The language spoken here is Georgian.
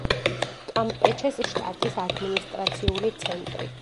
კამპეჩეს შტატის ადმინისტრაციული ცენტრი.